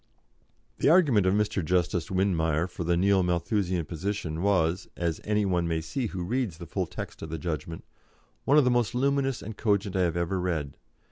'" The argument of Mr. Justice Windmeyer for the Neo Malthusian position was (as any one may see who reads the full text of the judgment) one of the most luminous and cogent I have ever read.